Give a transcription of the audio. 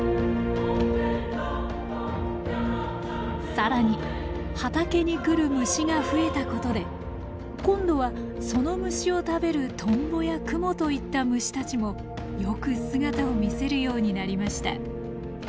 更に畑に来る虫が増えたことで今度はその虫を食べるトンボやクモといった虫たちもよく姿を見せるようになりました。